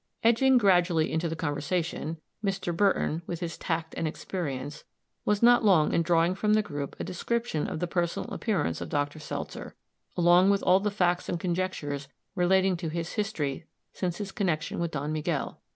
Edging gradually into the conversation, Mr. Burton, with his tact and experience, was not long in drawing from the group a description of the personal appearance of Dr. Seltzer, along with all the facts and conjectures relating to his history since his connection with Don Miguel.